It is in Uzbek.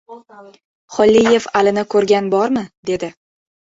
"Xolliyev Alini ko‘rgan bormi?" — dedi.